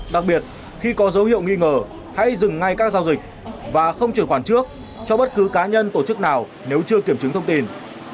đặc biệt khi có dấu hiệu nghi ngờ hãy dừng ngay các giao dịch và không chuyển khoản trước cho bất cứ cá nhân tổ chức nào nếu chưa kiểm chứng thông tin